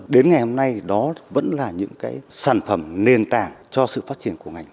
đến ngày hôm nay đó vẫn là những cái sản phẩm nền tảng cho sự phát triển của ngành